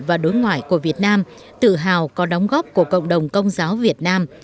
và đối ngoại của việt nam tự hào có đóng góp của cộng đồng công giáo việt nam